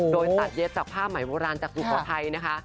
โดยตัดเย็บจากผ้าไหมโบราณจากสุโขทัยนะคะ